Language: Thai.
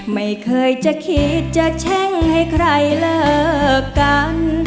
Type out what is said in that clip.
ไม่เคยจะคิดจะแช่งให้ใครเลิกกัน